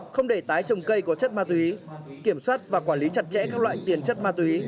không để tái trồng cây có chất ma túy kiểm soát và quản lý chặt chẽ các loại tiền chất ma túy